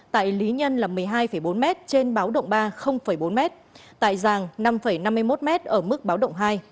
tại lý nhân là một mươi hai bốn m trên báo động ba bốn m tại giàng năm năm mươi một m ở mức báo động hai